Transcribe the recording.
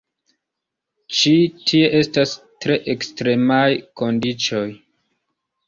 Ĉi tie estas tre ekstremaj kondiĉoj.